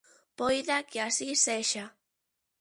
Poida que así sexa.